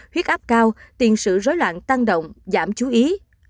huyết áp cao tiền sự rối loạn tăng động giảm chú ý